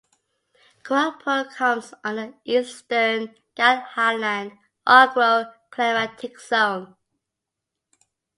Koraput comes under Eastern Ghat Highland Agro climatic Zone.